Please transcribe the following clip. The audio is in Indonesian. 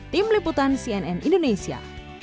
tim liputan cnn indonesia